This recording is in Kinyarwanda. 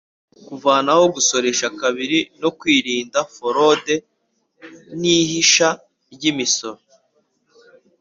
kuvanaho gusoresha kabiri no kwirinda forode n’ ihisha ry’ imisoro